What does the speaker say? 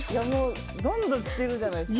どんどんきてるじゃないですか。